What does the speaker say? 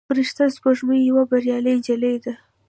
فرشته سپوږمۍ یوه بریالۍ نجلۍ ده.